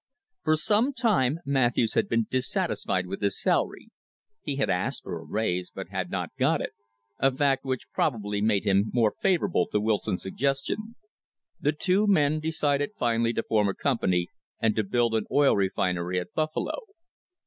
For some time Matthews had been dissatisfied with his salary he had asked for a raise, but had not got it a fact which probably made him more favourable to Wilson's suggestion. The two men decided finally to form a company and to build an oil refinery at Buffalo.